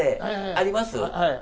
あります？